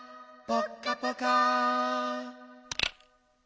ぽっかぽか。